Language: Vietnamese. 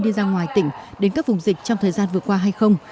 đi ra ngoài tỉnh đến các vùng dịch trong thời gian vừa qua hay không